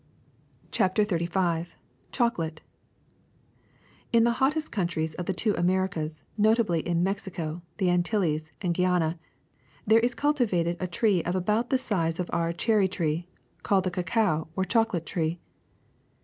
'* CHAPTER XXXV ({ I CHOCOLATE N the hottest countries of the two Americas, notably in Mexico, the Antilles, and Guiana, there is cultivated a tree of about the size of our cherry tree, called the cacao or chocolate tree.